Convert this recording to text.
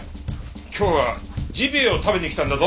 今日はジビエを食べに来たんだぞ。